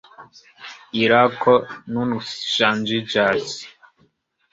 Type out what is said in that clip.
Irako nun ŝanĝiĝas.